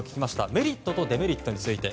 メリットとデメリットについて。